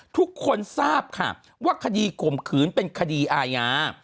ทุกคนทราบค่ะว่าคดีข่มขืนเป็นคดีอาญา